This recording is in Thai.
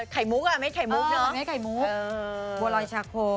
ไขมุกอะมั้ยไขมุกเนี่ยโวโลยชาโค